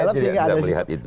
kalau saya tidak melihat itu